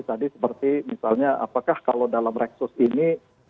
tadi seperti misalnya apakah kalau dalam reksus ini